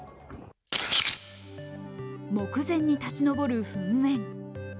目前に立ち上る噴煙。